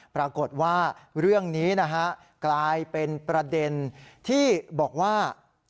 ปรากฏว่าเรื่องนี้นะฮะกลายเป็นประเด็นที่บอกว่า